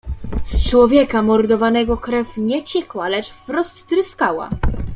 "Z człowieka mordowanego krew nie ciekła, lecz wprost tryskała."